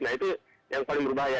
nah itu yang paling berbahaya